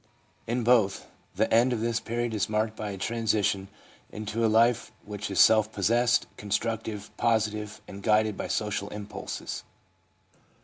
In both, the end of this period is marked by a transition into a life which is self possessed, constructive, positive, and guided by social impulses.